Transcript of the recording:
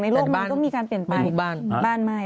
ในโลกมันก็มีการเปลี่ยนไป